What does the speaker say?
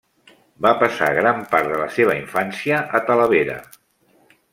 Va passar gran part de la seva infància a Talavera.